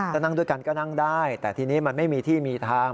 ถ้านั่งด้วยกันก็นั่งได้แต่ทีนี้มันไม่มีที่มีทาง